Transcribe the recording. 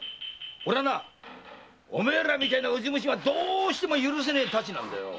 俺はなおめえらみてえなウジ虫がどうしても許せねえ質なんだ。